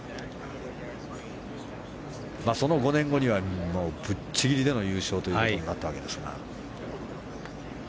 その５年後にはぶっちぎりでの優勝となったわけですが。